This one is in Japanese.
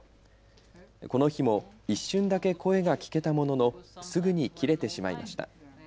この日も一瞬だけ声が聞けたもののすぐに切れてしまいました。